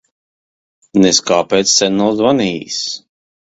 Nez kāpēc sen nav zvanījis.